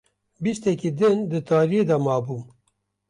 Bistekî din di tariyê de mabûm